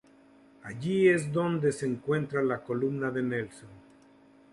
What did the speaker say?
Allí es donde se encuentra la "columna de Nelson".